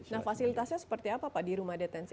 nah fasilitasnya seperti apa pak di rumah detensi